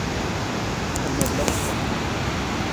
المبلغ صحيح.